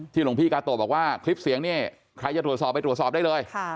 หลวงพี่กาโตบอกว่าคลิปเสียงเนี่ยใครจะตรวจสอบไปตรวจสอบได้เลย